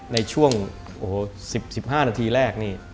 ในช่วง๑๕นาทีแรกนี่